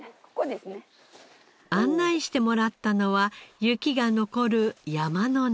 案内してもらったのは雪が残る山の中。